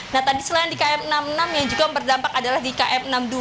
nah tadi selain di km enam puluh enam yang juga berdampak adalah di km enam puluh dua